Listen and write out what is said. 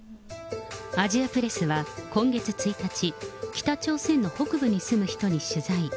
アジアプレスは今月１日、北朝鮮の北部に住む人に取材。